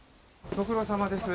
ご苦労さまです。